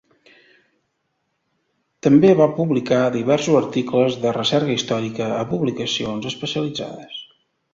També va publicar diversos articles de recerca històrica a publicacions especialitzades.